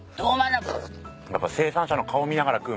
やっぱ。